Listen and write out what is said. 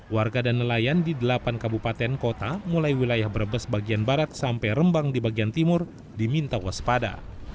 warga dan nelayan di delapan kabupaten kota mulai wilayah brebes bagian barat sampai rembang di bagian timur diminta waspada